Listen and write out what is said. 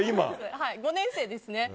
５年生ですね。